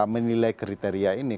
menilai kriteria ini